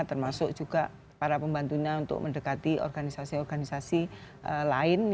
termasuk juga para pembantunya untuk mendekati organisasi organisasi lain